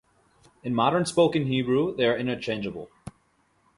In modern spoken Hebrew, they are interchangeable.